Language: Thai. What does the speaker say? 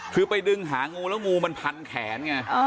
คือไปดึงหางูแล้วงูมันพันแขนไง